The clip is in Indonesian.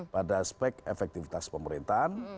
pada aspek efektivitas pemerintahan